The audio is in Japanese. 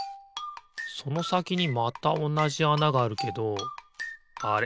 そのさきにまたおなじあながあるけどあれ？